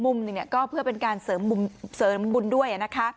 มุมหนึ่งก็เป็นการเสริมบุญด้วย